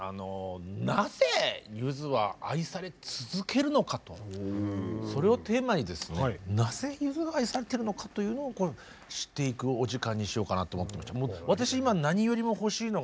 「なぜゆずは愛され続けるのか」とそれをテーマにですねなぜゆずが愛されてるのかというのを知っていくお時間にしようかなと思ってまして。